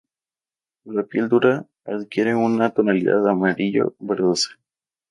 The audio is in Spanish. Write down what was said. La piel dura adquiere una tonalidad amarillo verdosa.